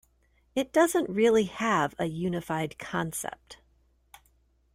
It doesn't really have a unified concept.